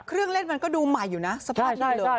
เครื่องเล่นมันก็ดูใหม่อยู่นะสภาพนี้เลย